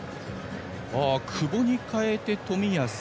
久保に代えて、冨安。